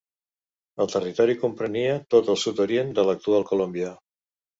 El territori comprenia tot el sud-orient de l'actual Colòmbia.